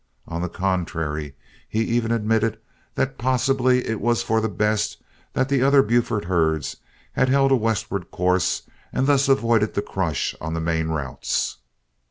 On the contrary, he even admitted that possibly it was for the best that the other Buford herds had held a westward course and thus avoided the crush on the main routes.